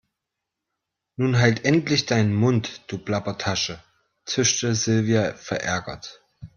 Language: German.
Nun halt endlich deinen Mund, du Plappertasche, zischte Silvia verärgert.